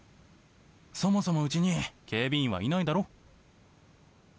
そもそもうちに警備員はいないだろ？